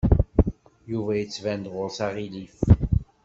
Yuba yettban ɣur-s aɣilif.